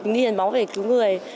vì mình đi hiến máu để cứu người